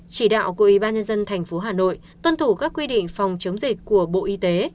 chỉ đạo của ybnd tp hà nội tuân thủ các quy định phòng chống dịch của bộ y tế